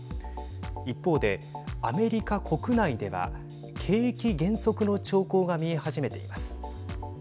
一方で、アメリカ国内では景気減速の兆候が見え始めています。